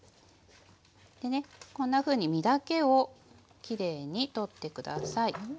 でねこんなふうに身だけをきれいに取って下さい。